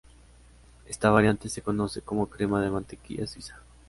Esta variante se conoce como crema de mantequilla suiza.